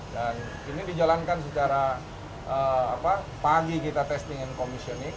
dan ini dijalankan secara pagi kita testing and commissioning